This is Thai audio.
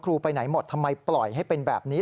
ไปไหนหมดทำไมปล่อยให้เป็นแบบนี้